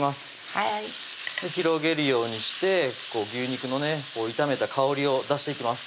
はい広げるようにして牛肉のね炒めた香りを出していきます